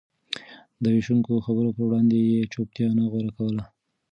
د وېشونکو خبرو پر وړاندې يې چوپتيا نه غوره کوله.